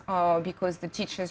atau karena anak anak